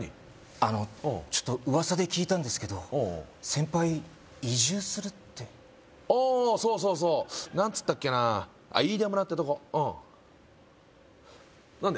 あの噂で聞いたんですけどおう先輩移住するってあそうそうそうなんつったっけなイイダ村ってとこうん何で？